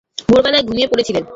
ভোরবেলায় ঘুমিয়ে পড়েছিলে।